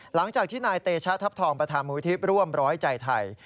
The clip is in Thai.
หลังจากที่นายเตชะทัพทองประธานมูลทิพย์ร่วมร้อยใจไทย